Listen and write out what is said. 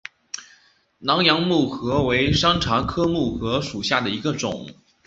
南洋木荷为山茶科木荷属下的一个种。